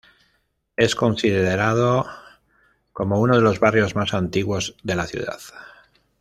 Es considerado como uno de los barrios más antiguos de la ciudad.